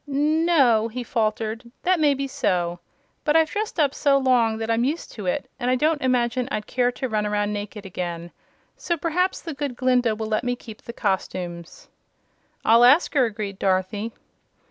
"N o!" he faltered; "that may be so. But I've dressed up so long that I'm used to it, and I don't imagine I'd care to run around naked again. So perhaps the Good Glinda will let me keep the costumes." "I'll ask her," agreed Dorothy.